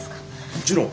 もちろん。